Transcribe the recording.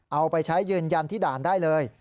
เอาไปใช้ยืนยันที่ด่านได้เลย